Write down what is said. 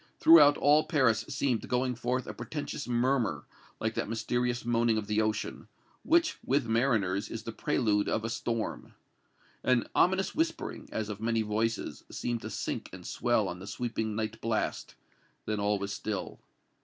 Throughout all Paris seemed going forth a portentous murmur, like that mysterious moaning of the ocean, which, with mariners, is the prelude of a storm. An ominous whispering, as of many voices, seemed to sink and swell on the sweeping night blast; then all was still.